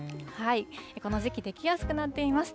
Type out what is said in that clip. この時期、出来やすくなっています。